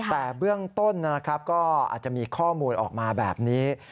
แต่เรื่องต้นก็อาจจะมีข้อมูลออกมาแบบนี้